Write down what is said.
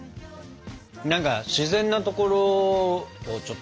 何か自然なところをちょっと走りたいよね。